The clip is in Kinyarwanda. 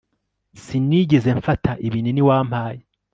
Sinigeze mfata ibinini wampaye